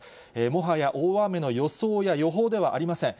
もはや大雨の予想や予報ではありません。